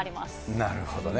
なるほどね。